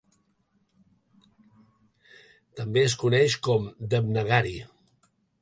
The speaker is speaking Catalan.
També es coneix com Devnagari.